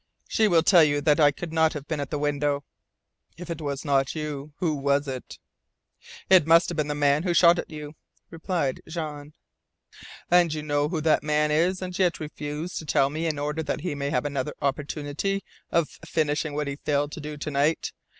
She will tell you that I could not have been at the window." "If it was not you who was it?" "It must have been the man who shot at you," replied Jean. "And you know who that man is, and yet refuse to tell me in order that he may have another opportunity of finishing what he failed to do to night.